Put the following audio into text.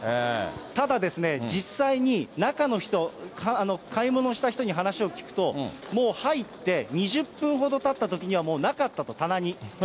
ただですね、実際に中の人、買い物した人に話を聞くと、もう入って２０分ほどたったときにはもうなかったと、棚に。